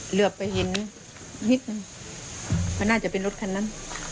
เหลือไปเห็นนิดนึงมันน่าจะเป็นรถคันนั้น